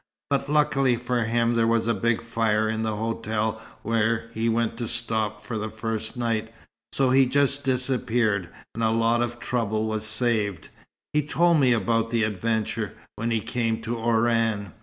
But luckily for him there was a big fire in the hotel where he went to stop for the first night, so he just disappeared, and a lot of trouble was saved. He told me about the adventure, when he came to Oran.